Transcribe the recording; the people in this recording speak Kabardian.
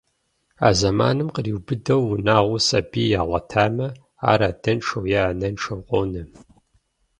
А зэманым къриубыдэу унагъуэм сабий ягъуэтамэ, ар адэншэу е анэншэу къонэ.